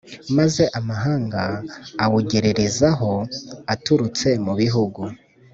Maze amahanga awugererezaho aturutse mu bihugu